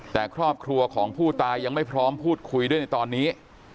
แต่ครอบครัวของผู้ตายยังไม่พร้อมพูดคุยด้วยในตอนนี้